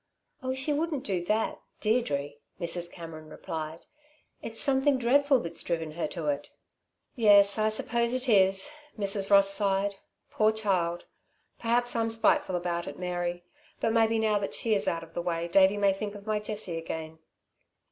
"Oh, she wouldn't do that Deirdre," Mrs. Cameron replied. "It's something dreadful that's driven her to it." "Yes I suppose it is," Mrs. Ross sighed. "Poor child. Perhaps I'm spiteful about it, Mary. But maybe now that she is out of the way, Davey may think of my Jessie again."